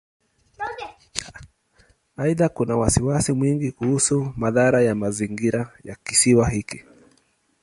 Aidha, kuna wasiwasi mwingi kuhusu madhara ya mazingira ya Kisiwa hiki.